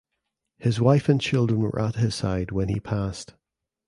His wife and children were at his side when he passed.